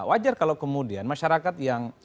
wajar kalau kemudian masyarakat yang